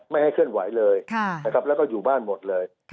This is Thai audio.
ไม่ให้เคลื่อนไหวเลยนะครับแล้วก็อยู่บ้านหมดเลย